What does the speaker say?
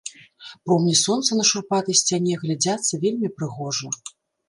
Промні сонца на шурпатай сцяне глядзяцца вельмі прыгожа.